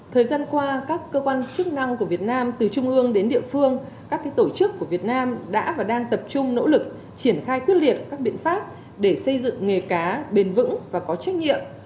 thời gian qua các cơ quan chức năng của việt nam từ trung ương đến địa phương các tổ chức của việt nam đã và đang tập trung nỗ lực triển khai quyết liệt các biện pháp để xây dựng nghề cá bền vững và có trách nhiệm